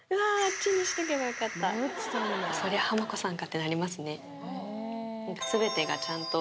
そりゃはま子さんかってなりますね